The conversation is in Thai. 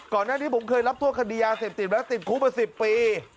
ก่อนหน้านี้ผมเคยรับโทษคดียาเสพติดมาแล้วติดคุกมา๑๐ปี